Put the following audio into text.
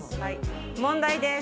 問題です。